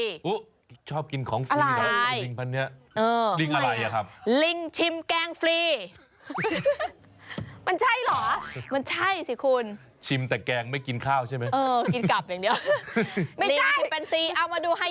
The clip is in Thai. โอ้ยชอบกินของฟรีลิงพันธุ์เนี่ยอะไร